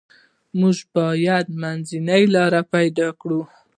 موږ باید منځنۍ لار پیدا کړو.